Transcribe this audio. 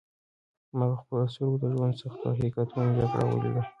ما په خپلو سترګو کې د ژوند د سختو حقیقتونو جګړه ولیده.